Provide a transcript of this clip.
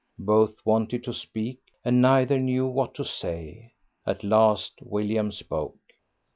Both wanted to speak, and neither knew what to say. At last William spoke.